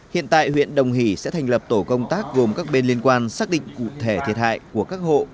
hiện tại huyện đồng hỷ sẽ thành lập tổ công tác gồm các bên liên quan xác định cụ thể thiệt hại của các hộ